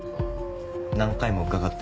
何回も伺って。